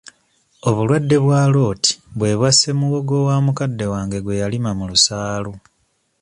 Obulwadde bwa Rot bwe bwasse muwogo wa mukadde wange gwe yalima mu lusaalu.